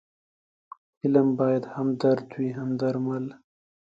فلم باید هم درد وي، هم درمل